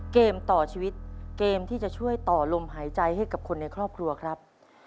เกมต่อชีวิตเกมที่จะช่วยต่อลมหายใจให้กับคนในครอบครัวครับ